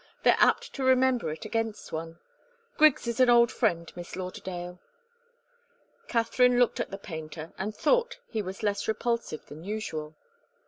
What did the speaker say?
They're apt to remember it against one. Griggs is an old friend, Miss Lauderdale." Katharine looked at the painter and thought he was less repulsive than usual.